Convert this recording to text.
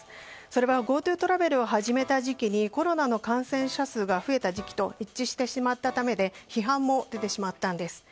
それはＧｏＴｏトラベルを始めた時期にコロナの感染者数が増えた時期と一致してしまったためで批判も出てしまったんです。